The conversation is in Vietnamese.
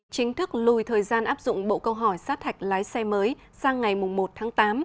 chính thức lùi thời gian áp dụng bộ câu hỏi sát hạch lái xe mới sang ngày một tháng tám